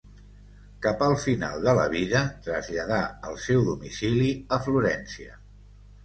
Cap al final de la vida traslladà el seu domicili a Florència.